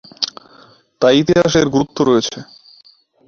তাই ইতিহাসে এর গুরুত্ব রয়েছে।